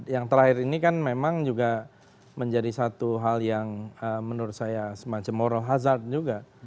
yang terakhir ini kan memang juga menjadi satu hal yang menurut saya semacam moral hazard juga